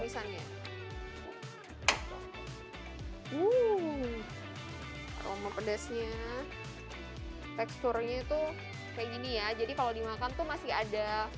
aroma pedasnya teksturnya itu kayak gini ya jadi kalau dimakan tuh masih ada